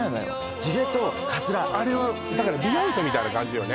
地毛とカツラあれはだからビヨンセみたいな感じよね